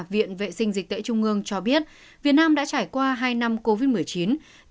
viện vệ sinh dịch tễ trung ương cho biết việt nam đã trải qua hai năm covid một mươi chín